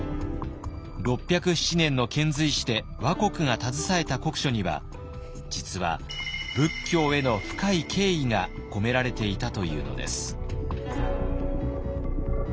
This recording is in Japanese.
６０７年の遣隋使で倭国が携えた国書には実は仏教への深い敬意が込められていたというのです。